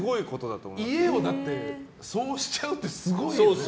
家をそうしちゃうってすごいよね。